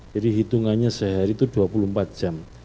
jadi hitungannya sehari itu dua puluh empat jam